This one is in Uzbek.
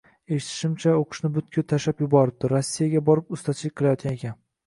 Eshitishimcha, oʻqishni butkul tashlab yuboribdi, Rossiyaga borib ustachilik qilayotgan ekan.